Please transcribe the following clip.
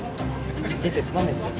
人生つまんないっすよ。